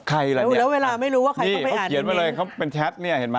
ใครละเนี่ยเขาเขียนไว้เลยเขาเป็นแชทเนี่ยเห็นมั้ย